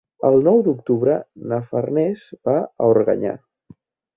El nou d'octubre na Farners va a Organyà.